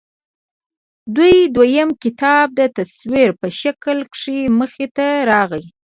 د دوي دويم کتاب د تصوير پۀ شکل کښې مخې ته راغے